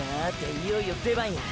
いよいよ出番や。